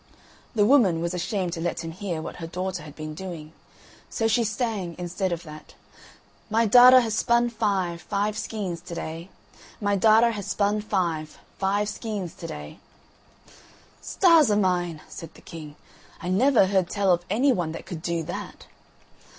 The woman was ashamed to let him hear what her daughter had been doing, so she sang, instead of that: "My darter ha' spun five, five skeins to day. My darter ha' spun five, five skeins to day." "Stars o' mine!" said the king, "I never heard tell of any one that could do that."